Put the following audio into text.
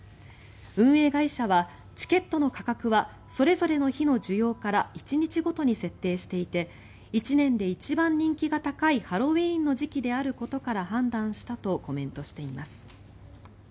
運営会社はチケットの価格はそれぞれの日の需要から１日ごとに設定していて１年で一番人気が高いハロウィーンの時期であることから判断したとコメントしています。